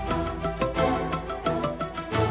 nih aku tidur